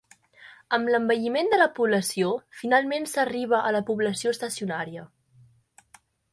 Amb l'envelliment de la població, finalment s'arriba a la població estacionària.